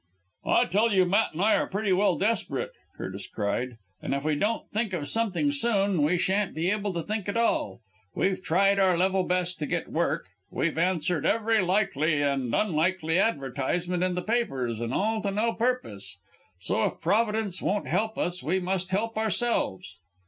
"I tell you Matt and I are pretty well desperate," Curtis cried, "and if we don't think of something soon, we shan't be able to think at all. We've tried our level best to get work we've answered every likely and unlikely advertisement in the papers and all to no purpose. So if Providence won't help us we must help ourselves.